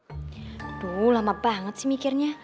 aduh lama banget sih mikirnya